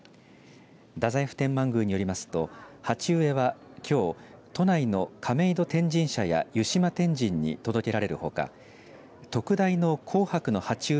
太宰府天満宮によりますと鉢植えはきょう都内の亀戸天神社や湯島天神に届けられるほか特大の紅白の鉢植え